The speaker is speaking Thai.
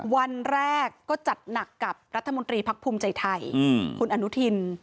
วันแรกก็จัดหนักกับรัฐมนตรีพักภูมิใจไทยคุณอนุทิน